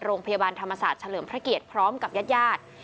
โรงพยาบาลธรรมศาสตร์เฉลิมพระเกียรติพร้อมกับญาติญาติ